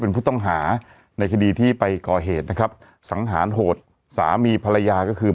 เป็นผู้ต้องหาในคดีที่ไปก่อเหตุนะครับสังหารโหดสามีภรรยาก็คือ